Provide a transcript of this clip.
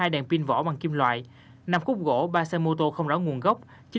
hai đèn pin vỏ bằng kim loại năm khúc gỗ ba xe mô tô không rõ nguồn gốc